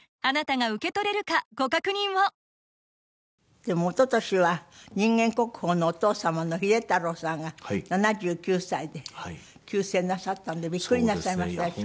でも一昨年は人間国宝のお父様の秀太郎さんが７９歳で急逝なさったんでびっくりなさいましたでしょ。